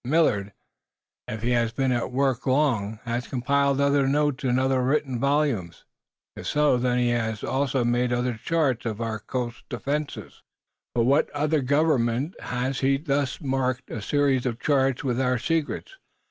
Millard, if he has been at work long, has compiled other notes in other written volumes. If so, then he has also made other charts of our coast defenses. For what other government has he thus marked a series of charts with our secrets?